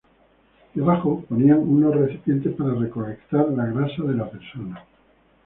Debajo ponían unos recipientes para recolectar la grasa de la persona.